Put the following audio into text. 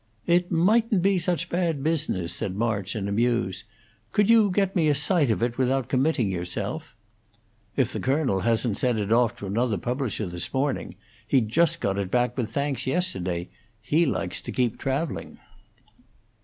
"It mightn't be such bad business," said March, in a muse. "Could you get me a sight of it without committing yourself?" "If the Colonel hasn't sent it off to another publisher this morning. He just got it back with thanks yesterday. He likes to keep it travelling."